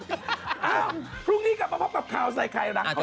เอ้าพรุ่งนี้กลับมาพบกับข่าวสายไข่หลังขอบคุณฮาต